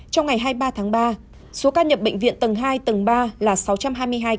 trong ngày hai mươi ba tháng ba số ca nhập bệnh viện tầng hai tầng ba là sáu trăm hai mươi hai ca